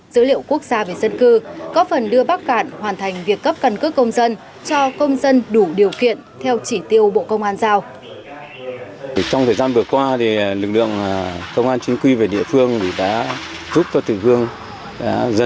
dữ liệu quốc gia về dân cư có phần đưa bắc cạn hoàn thành việc cấp cần cước công dân cho công dân đủ điều kiện theo chỉ tiêu bộ công an giao